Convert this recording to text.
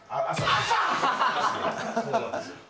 朝？